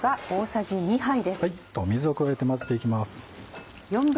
水を加えて混ぜていきます。